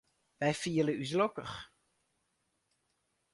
Wy fiele ús lokkich.